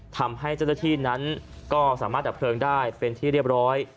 ทำให้เจ้าหน้าที่นั้นก็สามารถดับเพลิงได้เป็นที่เรียบร้อย